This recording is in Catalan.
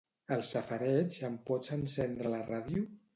Al safareig em pots encendre la ràdio?